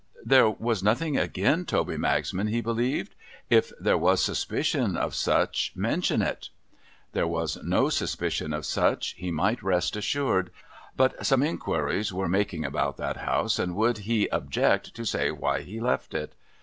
There v.'as nothing agin Toby Magsman, he believed ? If there was suspicion of such — mention it ! There was no suspicion of such, he might rest assured. But, some inquiries were making about that House, and would he object to say why he left it